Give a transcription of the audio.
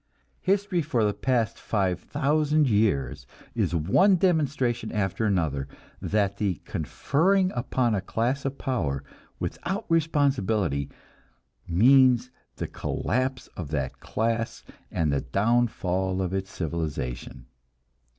History for the past five thousand years is one demonstration after another that the conferring upon a class of power without responsibility means the collapse of that class and the downfall of its civilization.